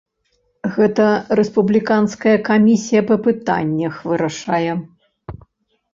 Гэта рэспубліканская камісія па пытаннях вырашае.